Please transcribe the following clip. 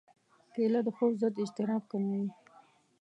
کېله د خوب ضد اضطراب کموي.